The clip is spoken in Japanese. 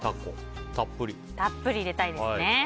たっぷり入れたいですね。